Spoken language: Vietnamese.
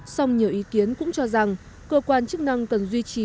song nhiều ý kiến cũng cho rằng cơ quan chức năng cần duy trì